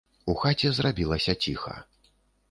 У хаце зрабілася ціха.